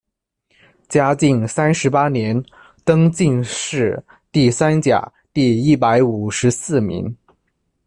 嘉靖三十八年，登进士第三甲第一百五十四名。